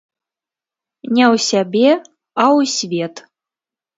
Не ў сябе, а ў свет.